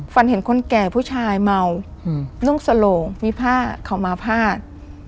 ฝันเห็นคนแก่ผู้ชายเมานุ่งสโหลงมีผ้าเขามาพาด